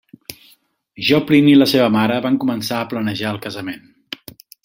Joplin i la seva mare van començar a planejar el casament.